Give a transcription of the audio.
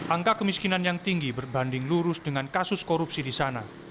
angka kemiskinan yang tinggi berbanding lurus dengan kasus korupsi di sana